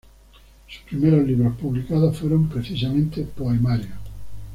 Sus primeros libros publicados fueron precisamente poemarios.